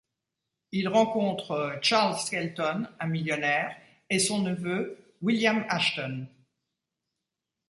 Ils rencontrent Charles Skelton, un millionnaire, et son neveu William Ashton.